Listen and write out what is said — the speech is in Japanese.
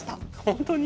本当に？